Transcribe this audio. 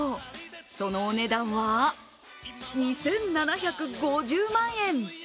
そのお値段は２７５０万円。